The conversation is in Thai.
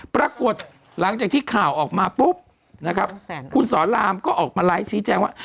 ปรากฏหลังจากที่ข่าวออกมาปุ๊บนะครับคุณสอนรามก็ออกมาไลฟ์ชี้แจงว่า